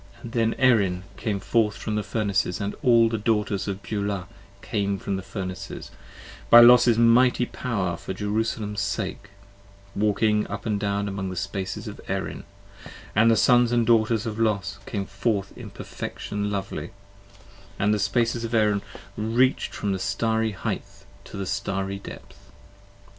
Then Erin came forth from the Furnaces, & all the Daughters of Beulah Came from the Furnaces, by Los's mighty power for Jerusalem's 10 Sake: walking up and down among the Spaces of Erin: And the Sons and Daughters of Los came forth in perfection lovely, And the Spaces of Erin reach'd from the starry heighth to the starry depth.